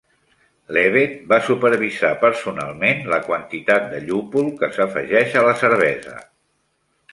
Levett va supervisar personalment la quantitat de llúpol que s"afegeix a la cervesa.